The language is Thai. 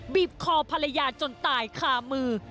บีบคอภรรยาจนตายคามือ